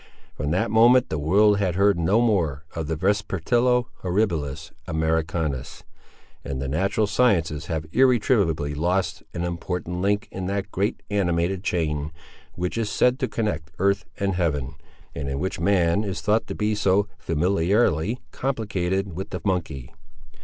From that moment the world has heard no more of the Vespertilio Horribilis Americanus, and the natural sciences have irretrievably lost an important link in that great animated chain which is said to connect earth and heaven, and in which man is thought to be so familiarly complicated with the monkey.